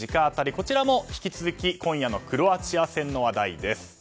こちらも引き続き今夜のクロアチア戦の話題です。